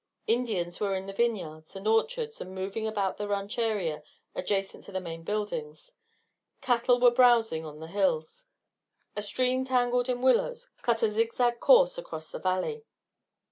Indians were in the vineyards and orchards and moving about the rancheria adjacent to the main buildings. Cattle were browsing on the hills. A stream tangled in willows cut a zig zag course across the valley.